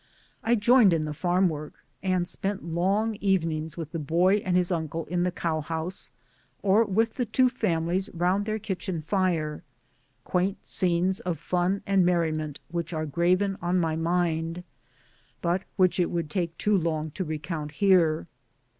I joined in the farm work, and spent long evenings with the boy and his uncle in the cowhouse or with the two families round their kitchen fire quaint scenes of fun and merriment which are graven on my mind, but which it would take too long to recount here.